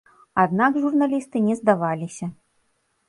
Аднак журналісты не здаваліся.